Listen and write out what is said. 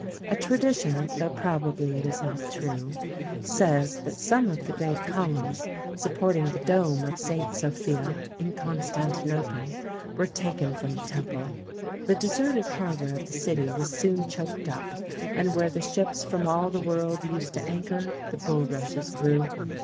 A tradition, though probably it is not true, says that some of the great columns support ing the dome of St. Sophia in Constantinople were taken from the temple. The deserted harbour of the city was soon choked up, and where the ships from all the world used to anchor, the bul rushes grew.